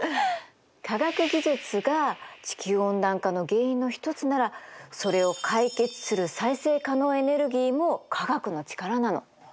科学技術が地球温暖化の原因の一つならそれを解決する再生可能エネルギーも科学の力なの。